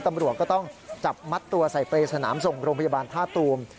ตำรวจก็ต้องจับมัดตัวใส่เปรย์สนามส่งโรงพยาบาลท่าตูม